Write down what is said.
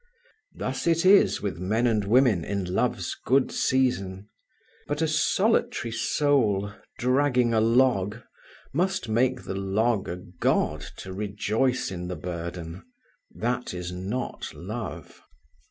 Thus it is with men and women in love's good season. But a solitary soul dragging a log must make the log a God to rejoice in the burden. That is not love.